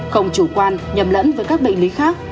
không chủ quan nhầm lẫn với các bệnh lý khác